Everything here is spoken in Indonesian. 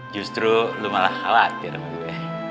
justru lu malah khawatir sama gue